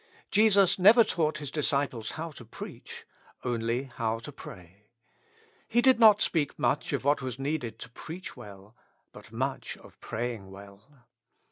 Jesus never taught His disciples how to preach, only how to pray. He did not speak much of what was needed to preach well, but much of praying well.